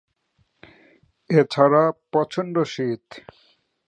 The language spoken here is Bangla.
এ ছাড়া প্রচণ্ড শীত।